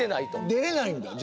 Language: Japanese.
出れないんだ？